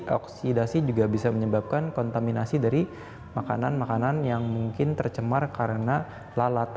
oksidasi juga bisa menyebabkan kontaminasi dari makanan makanan yang mungkin tercemar karena lalat